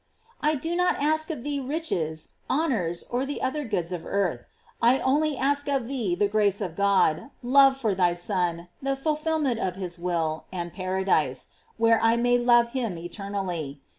I do not ask of thee riches, honors, or the other goods of earth ; I only a&k of thee the grace of God, love for thy Son, the fulfilment of his will, and paradise, where I may love him eternally.